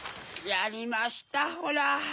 やりましたホラ。